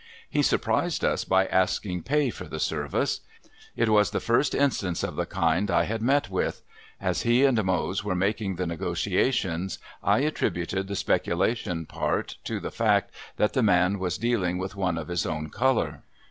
He surprised us by asking pay for the service. It was the first instance of the kind I had met with. As he and Mose were making the negotiations I attributed the speculation part to the fact that the man was dealing with one of his own color.